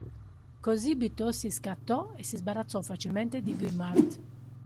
Così Bitossi scattò e si sbarazzò facilmente di Guimard.